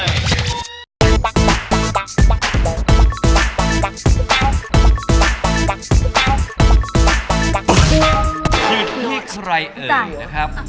หยุดที่ใครเอยนะครับ